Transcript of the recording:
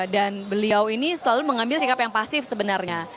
dan beliau ini selalu mengambil sikap yang pasif sebenarnya